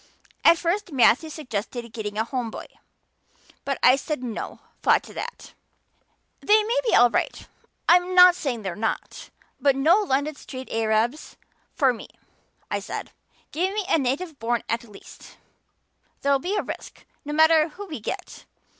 At first Matthew suggested getting a Home boy. But I said 'no' flat to that. 'They may be all right I'm not saying they're not but no London street Arabs for me,' I said. 'Give me a native born at least. There'll be a risk, no matter who we get.